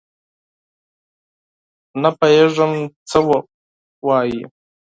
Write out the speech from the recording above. نه پوهېږم څه وایې ؟؟